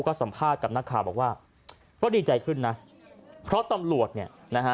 ก็สัมภาษณ์กับนักข่าวบอกว่าก็ดีใจขึ้นนะเพราะตำรวจเนี่ยนะฮะ